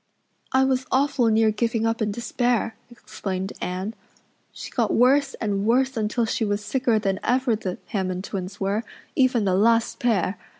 "I was awfully near giving up in despair," explained Anne. "She got worse and worse until she was sicker than ever the Hammond twins were, even the last pair.